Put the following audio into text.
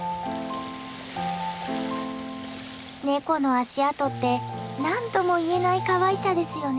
ネコの足跡って何とも言えないかわいさですよね。